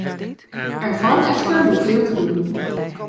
Er valt echter nog veel te doen.